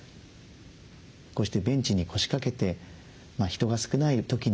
こうしてベンチに腰掛けて人が少ない時にはですね